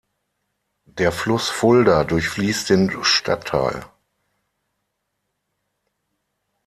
Der Fluss Fulda durchfließt den Stadtteil.